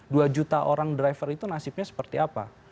dua juta orang driver itu nasibnya seperti apa